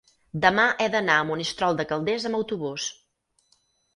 demà he d'anar a Monistrol de Calders amb autobús.